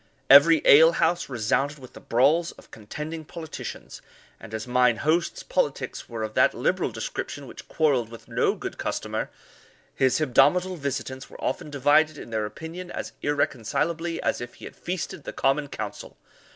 Every alehouse resounded with the brawls of contending politicians, and as mine host's politics were of that liberal description which quarrelled with no good customer, his hebdomadal visitants were often divided in their opinion as irreconcilably as if he had feasted the Common Council.